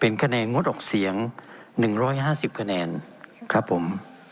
เป็นคะแนนงดออกเสียง๑๕๐คะแนนครับผม